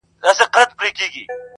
هسې زما د بل افغان خور مور مه کنځئ